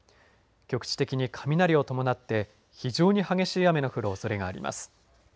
局地的に雷を伴って非常に激しい雨の降るおそれがあります。